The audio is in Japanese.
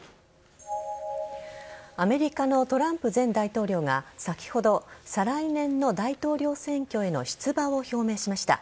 アメリカのトランプ前大統領が先ほど再来年の大統領選挙への出馬を表明しました。